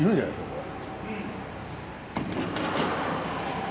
これ。